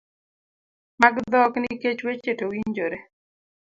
mag dhok nikech weche to winjore